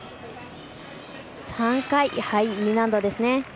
３回はいＥ難度ですね。